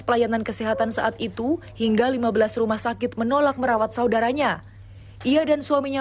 pelayanan kesehatan saat itu hingga lima belas rumah sakit menolak merawat saudaranya ia dan suaminya